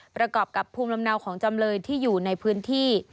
ประกอบกับภูมิลำเนาของจำเลยที่อยู่ในพื้นที่